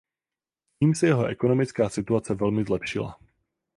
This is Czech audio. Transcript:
Tím se jeho ekonomická situace velmi zlepšila.